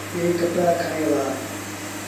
اي ڪپڙآ کڻي وهآ۔